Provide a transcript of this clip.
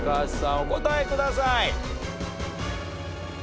お答えください。